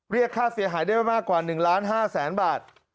เรียกค่าเสียหายได้ไปมากกว่า๑ล้าน๕แสนบาท